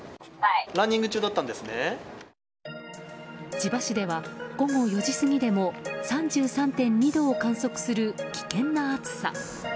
千葉市では、午後４時過ぎでも３３．２度を観測する危険な暑さ。